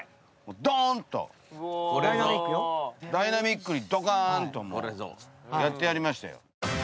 ダイナミックにドカーンとやってやりましたよ。